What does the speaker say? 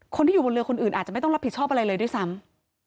คนที่อยู่บนเรือคนอื่นอาจจะไม่ต้องรับผิดชอบอะไรเลยด้วยซ้ำ